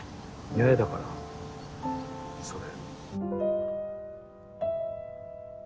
八重だからそれ。